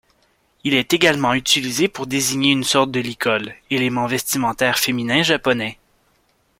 Il est également utilisé pour désigner une sorte de licol, élément vestimentaire féminin japonais.